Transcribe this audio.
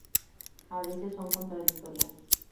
A veces son contradictorias.